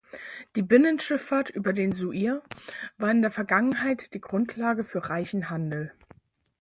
Die Binnenschifffahrt über den Suir war in der Vergangenheit die Grundlage für reichen Handel.